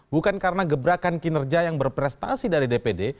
bukan karena gebrakan kinerja yang berprestasi dari dpd